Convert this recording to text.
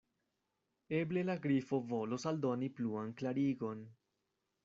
Eble la Grifo volos aldoni pluan klarigon.